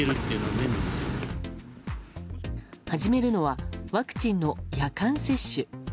始めるのはワクチンの夜間接種。